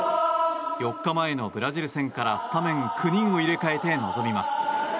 ４日前のブラジル戦からスタメン９人を入れ替えて臨みます。